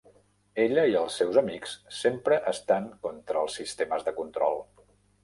Ella i els seus amics sempre estan contra els sistemes de control.